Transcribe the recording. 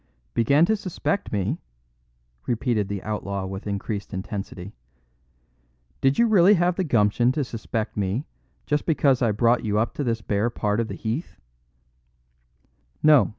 "Began to suspect me?" repeated the outlaw with increased intensity. "Did you really have the gumption to suspect me just because I brought you up to this bare part of the heath?"